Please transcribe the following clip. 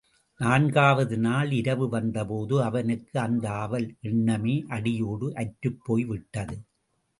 நான்காவது நாள் இரவு வந்தபோது, அவனுக்கு அந்த ஆவல் எண்ணமே அடியோடு அற்றுப்போய் விட்டது.